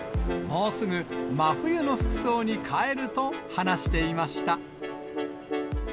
もうすぐ真冬の服装に変えると話していました。